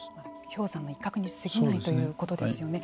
氷山の一角にすぎないということですよね。